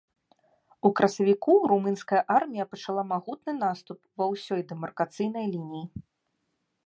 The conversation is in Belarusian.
У красавіку румынская армія пачала магутны наступ ва ўсёй дэмаркацыйнай лініі.